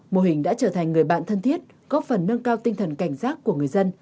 mô hình đã trở thành người bạn thân thiết góp phần nâng cao tinh thần cảnh giác của người dân